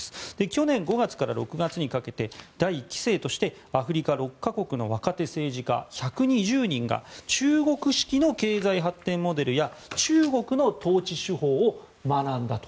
去年５月から６月にかけて第１期生としてアフリカ６か国の若手政治家１２０人が中国式の経済発展モデルや中国の統治手法を学んだと。